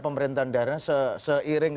pemerintahan daerahnya seiring